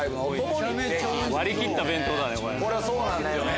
割り切った弁当だね。